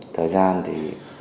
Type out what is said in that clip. thời gian thì